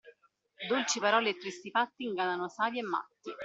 Dolci parole e tristi fatti ingannano savi e matti.